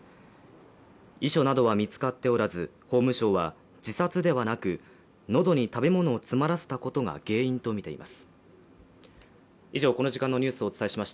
遺書などは見つかっておらず法務省は、自殺ではなくのどに食べ物を詰まらせたことが原因とみています。